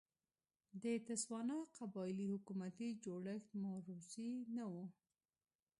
د تسوانا قبایلي حکومتي جوړښت موروثي نه و.